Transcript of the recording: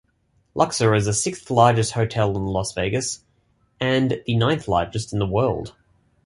Luxor is the sixth-largest hotel in Las Vegas and the ninth-largest in the world.